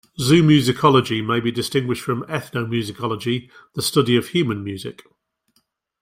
Zoomusicology may be distinguished from ethnomusicology, the study of human music.